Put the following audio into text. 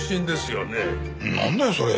なんだよそれ。